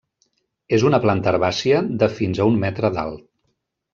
És una planta herbàcia de fins a un metre d'alt.